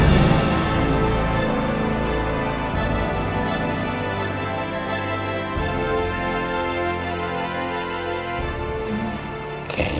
dan kakaknya gak ada